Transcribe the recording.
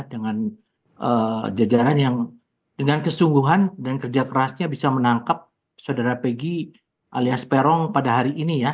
dengan jajaran yang dengan kesungguhan dan kerja kerasnya bisa menangkap saudara peggy alias peron pada hari ini ya